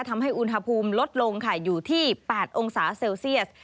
ทำให้อุณหภูมิลดลงค่ะอยู่ที่๘องศาเซลเซียส